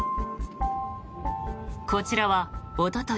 こちらはおととい